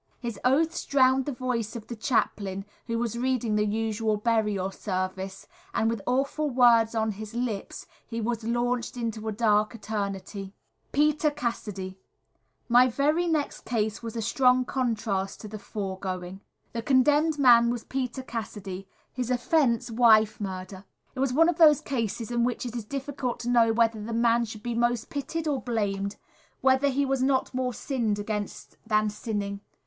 His oaths drowned the voice of the chaplain who was reading the usual burial service, and with awful words on his lips he was launched into a dark eternity. Peter Cassidy. My very next case was a strong contrast to the foregoing. The condemned man was Peter Cassidy; his offence, wife murder. It was one of those cases in which it is difficult to know whether the man should be most pitied or blamed, whether he was not more sinned against than sinning.